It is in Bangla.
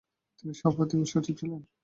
তিনি সভাপতি ও সচিবও ছিলেন।